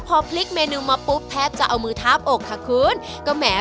พอพลิกเมนูมาปุ๊บแทบจะเอามือทาบอกค่ะคุณก็แหม